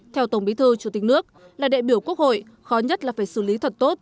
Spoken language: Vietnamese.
theo tổng bí thư chủ tịch nước là đại biểu quốc hội khó nhất là phải xử lý thật tốt